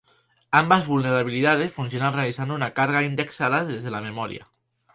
Ambas vulnerabilidades funcionan realizando una carga indexada desde la memoria.